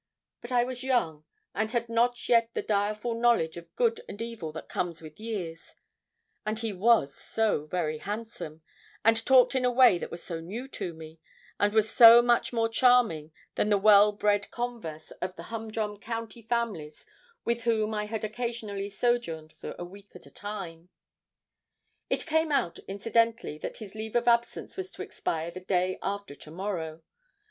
But I was young, and had not yet the direful knowledge of good and evil that comes with years; and he was so very handsome, and talked in a way that was so new to me, and was so much more charming than the well bred converse of the humdrum county families with whom I had occasionally sojourned for a week at a time. It came out incidentally that his leave of absence was to expire the day after to morrow.